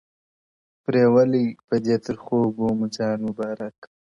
پرېولئ – په دې ترخو اوبو مو ځان مبارک”